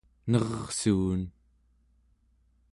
ner'ssuun